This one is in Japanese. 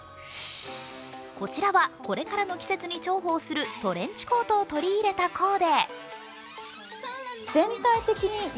こちらは、これからの季節に重宝するトレンチコートを取り入れたコーデ。